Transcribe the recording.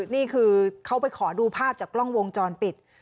นี่คือเขาไปขอดูภาพจากกล้องวงจรปิด